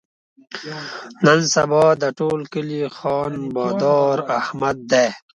نن سبا د ټول کلي خان بادار احمد دی.